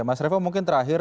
mas revo mungkin terakhir